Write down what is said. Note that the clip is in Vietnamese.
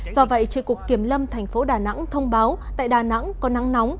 do vậy tri cục kiểm lâm thành phố đà nẵng thông báo tại đà nẵng có nắng nóng